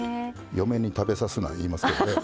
嫁に食べさすな言いますよね。